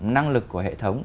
năng lực của hệ thống